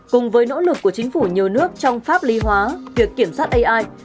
cùng với nỗ lực của chính phủ nhiều nước trong pháp lý hóa việc kiểm soát ai